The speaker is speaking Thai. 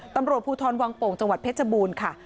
ตำรวจภูทรวังโป่งจังหวัดเพชรบูรณ์ค่ะ